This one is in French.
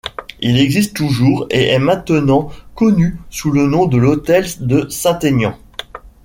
Il existe toujours et est maintenant connu sous le nom de Hôtel de Saint-Aignan.